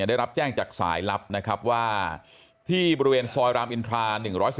ได้รับแจ้งจากสายลับนะครับว่าที่บริเวณซอยรามอินทรา๑๑๒